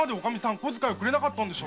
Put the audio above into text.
小遣いくれなかったんでしょ？